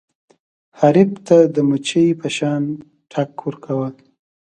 حریف ته د مچۍ په شان ټک ورکوه.